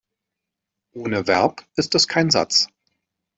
Ohne Verb ist es kein Satz.